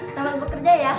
selamat bekerja ya